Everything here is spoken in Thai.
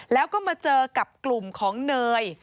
แล้วก็มาเจอกับกลุ่มของเนย